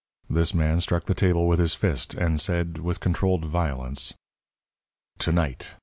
This man struck the table with his fist, and said, with controlled violence: "To night.